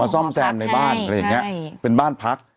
ซ่อมแซมในบ้านอะไรอย่างนี้เป็นบ้านพัก